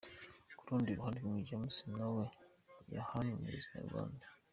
Ku rundi ruhande King James nawe yahamirije Inyarwanda.